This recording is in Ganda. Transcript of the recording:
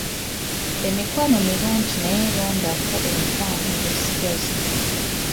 Emikwano mirungi naye londako emikwano gy'osigaza.